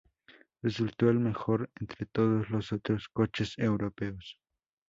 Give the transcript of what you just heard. Resultó el mejor entre todos los otros coches europeos.